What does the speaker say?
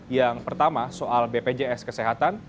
yang pertama soal bpjs kesehatan